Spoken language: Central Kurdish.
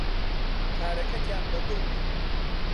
کارەکەتیان بەدڵ بوو